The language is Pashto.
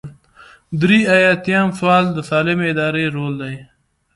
درې ایاتیام سوال د سالمې ادارې رول دی.